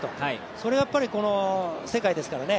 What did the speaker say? それが、やっぱり世界ですからね。